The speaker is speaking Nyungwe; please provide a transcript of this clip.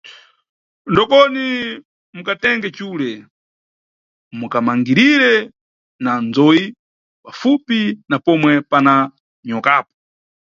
Ndokoni mukatenge cule, mukamangirire na ndzoyi pafupi na pomwe pana nyokapo.